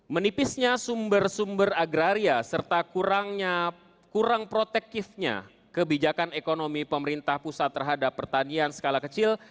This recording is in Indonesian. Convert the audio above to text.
menipisnya sumber sumber agraria serta kurang protektifnya kebijakan ekonomi pemerintah pusat terhadap pertanian skala kecil